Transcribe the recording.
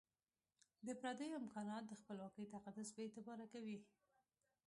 د پردیو امکانات د خپلواکۍ تقدس بي اعتباره کوي.